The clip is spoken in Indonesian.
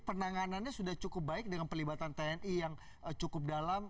penanganannya sudah cukup baik dengan pelibatan tni yang cukup dalam